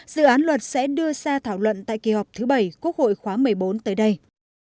dự án luật sẽ đưa ra thảo luận tại kỳ họp thứ bảy quốc hội khóa một mươi bốn tới đây